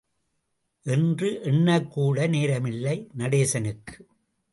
என்று எண்ணக் கூட நேரமில்லை நடேசனுக்கு.